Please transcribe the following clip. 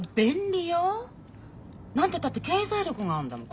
何てったって経済力があるんだもん。